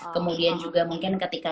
kemudian juga mungkin ketika